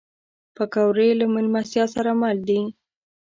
پکورې له میلمستیا سره مل دي